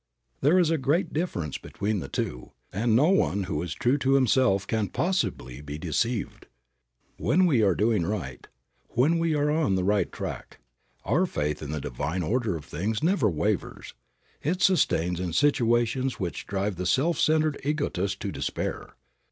There is a great difference between the two, and no one who is true to himself can possibly be deceived. When we are doing right, when we are on the right track, our faith in the divine order of things never wavers. It sustains in situations which drive the self centered egoist to despair.